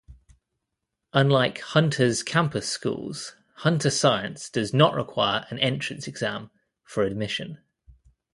Unlike Hunter's campus schools, Hunter Science does not require an entrance exam for admission.